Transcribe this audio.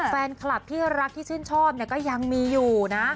แฟนคลับที่รักที่ชื่นชอบก็ยังมีอยู่นะ